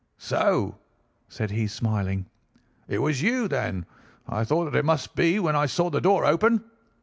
"'So,' said he, smiling, 'it was you, then. I thought that it must be when I saw the door open.